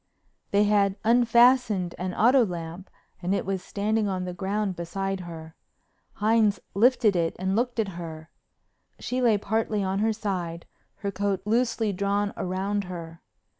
They had unfastened an auto lamp and it was standing on the ground beside her. Hines lifted it and looked at her. She lay partly on her side, her coat loosely drawn round her.